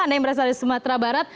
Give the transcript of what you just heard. anda yang berasal dari sumatera barat